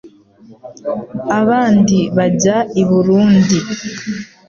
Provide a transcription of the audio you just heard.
abandi bajya i Burundi